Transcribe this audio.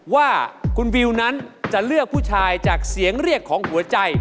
ว่าคุณวิวนั้นจะเลือกผู้ชายจากเสียงเรียกของหัวใจ